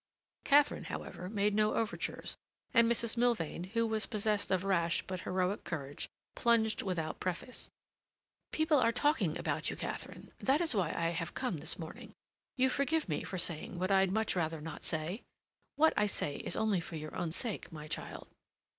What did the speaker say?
Katharine, however, made no overtures, and Mrs. Milvain, who was possessed of rash but heroic courage, plunged without preface: "People are talking about you, Katharine. That is why I have come this morning. You forgive me for saying what I'd much rather not say? What I say is only for your own sake, my child."